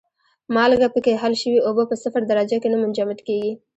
مالګه پکې حل شوې اوبه په صفر درجه کې نه منجمد کیږي.